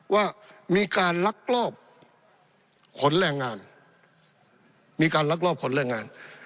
ว่ามีการลักลอบขนแรงงานมีการลักลอบขนแรงงาน